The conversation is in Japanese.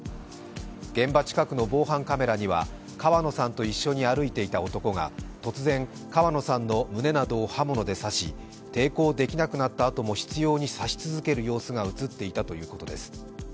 現場近くの防犯カメラには川野さんと一緒に歩いていた男が突然、川野さんの胸などを刃物で刺し抵抗できなくなったあとも執ように刺し続ける様子が映っていたといいます。